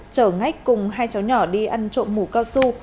trở ngách cùng hai cháu nhỏ đi ăn trộm mũ cao su